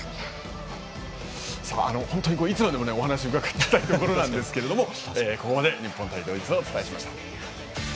本当にいつまでもお話を伺いたいところなんですがここまで日本対ドイツをお伝えしました。